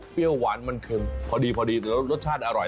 เปรี้ยวหวานมันเค็มพอดีแล้วรสชาติอร่อย